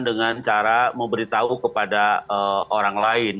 dengan cara memberitahu kepada orang lain